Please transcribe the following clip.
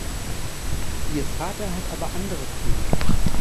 Ihr Vater hat aber andere Pläne.